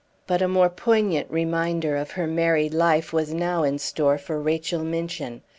But a more poignant reminder of her married life was now in store for Rachel Minchin.